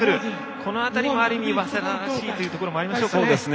この辺りもある意味早稲田らしいところもありますね。